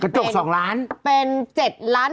กระจก๒ล้านเป็น๗ล้าน๖บาท